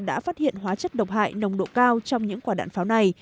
đã phát hiện hóa chất độc hại nồng độ cao trong những quả đạn pháo này